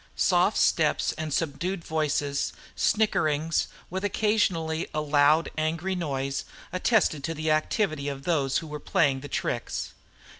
Soft steps and subdued voices, snickerings, with occasionally a loud, angry noise, attested to the activity of those who were playing the tricks.